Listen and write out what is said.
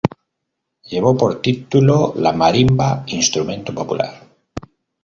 Lleva por título, “La Marimba, instrumento popular.